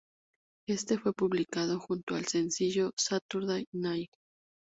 Este fue publicado junto al sencillo "Saturday Night".